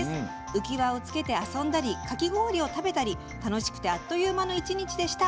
浮き輪をつけて遊んだり、かき氷を食べたりあっという間な１日でした。